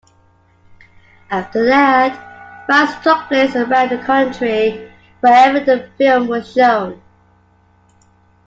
After that, riots took place around the country wherever the film was shown.